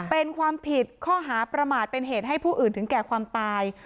เป็นความผิดข้อหาประมาทเป็นเหตุให้ผู้อื่นถึงแก่ความตาย